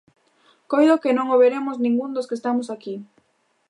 Coido que non o veremos ningún dos que estamos aquí.